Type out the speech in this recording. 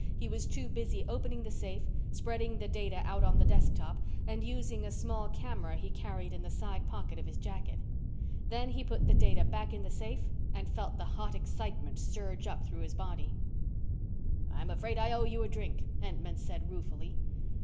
He was too busy opening the safe, spreading the data out on the desktop, and using a small camera he carried in the side pocket of his jacket. Then, he put the data back in the safe and felt the hot, excitement surge up through his body. "I'm afraid I owe you a drink," Entman said ruefully.